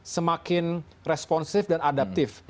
semakin responsif dan adaptif